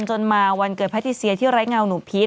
จนมาวันเกิดแพทิเซียที่ไร้เงาหนูพีช